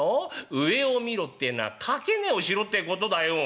上を見ろってえのは掛値をしろってことだよ」。